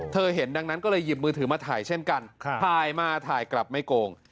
เห็นดังนั้นก็เลยหยิบมือถือมาถ่ายเช่นกันถ่ายมาถ่ายกลับไม่โกง